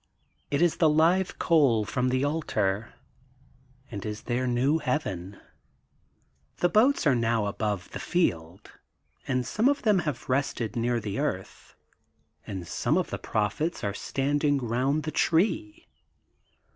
It is the live coal from the altar and is their new Heaven. The boats are now above the field, and some of them have rested near the earth, and some of the prophets are standing round the tree.